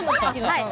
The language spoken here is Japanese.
はい。